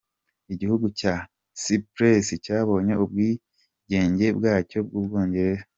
igihugu cya Chypres cyabonye ubwigenge bwacyo ku Bwongereza.